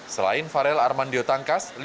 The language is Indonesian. selain farel armandio tangkas